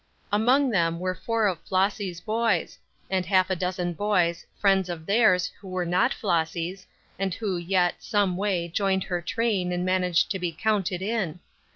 Among them were four of Flossy's boys; and half a dozen boys, friends of theirs, who were not Flossy's, and who yet, someway, joined her train and managed to be "counted in."